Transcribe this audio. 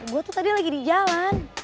gue tuh tadi lagi di jalan